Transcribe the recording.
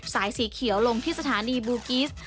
สีเขียวลงที่สถานีบูกิส